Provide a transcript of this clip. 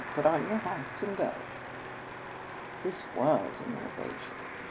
Put on your hats and go." This was an innovation